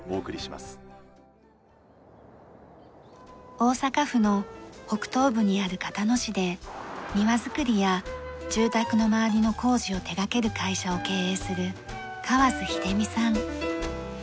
大阪府の北東部にある交野市で庭づくりや住宅の周りの工事を手掛ける会社を経営する。